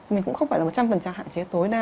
mình cũng không phải là một trăm linh hạn chế tối đa